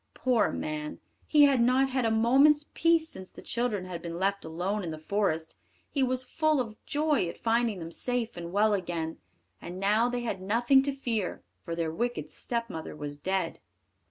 Poor man, he had not had a moment's peace since the children had been left alone in the forest; he was full of joy at finding them safe and well again, and now they had nothing to fear, for their wicked stepmother was dead.